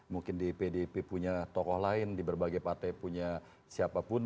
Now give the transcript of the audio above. mungkin di pdip punya tokoh lain di berbagai partai punya siapapun